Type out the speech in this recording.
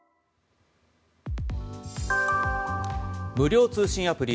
無料通信アプリ